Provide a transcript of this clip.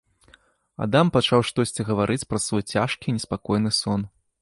Адам пачаў штосьці гаварыць праз свой цяжкі і неспакойны сон.